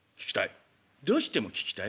「どうしても聞きたい？」。